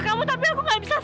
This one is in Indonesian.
kau mau bunuh dia